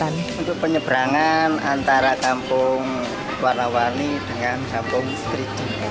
untuk penyeberangan antara kampung warna warni dengan kampung tiga dimensi